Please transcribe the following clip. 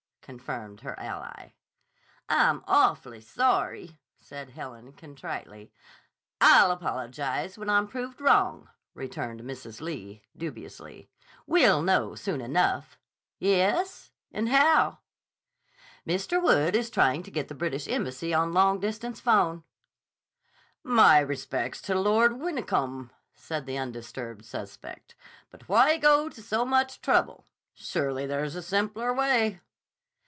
confirmed her ally. "I'm awfully sorry," said Helen contritely. "I'll apologize when I'm proved wrong," returned Mrs. Lee dubiously. "We'll know soon enough." "Yes? And how?" "Mr. Wood is trying to get the British Embassy on long distance'phone." "My respects to Lord Wyncombe," said the undisturbed suspect. "But why go to so much trouble? Surely there's a simpler way."